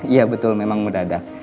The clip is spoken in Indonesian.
ya betul memang mudah dak